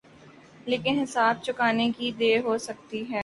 لیکن حساب چکانے کی دیر ہو سکتی ہے۔